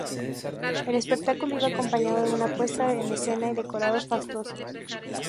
El espectáculo iba acompañado de una puesta en escena y decorados fastuosos.